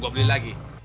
gue beli lagi